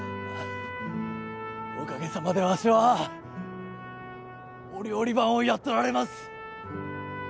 おかげさまでわしはお料理番をやっとられます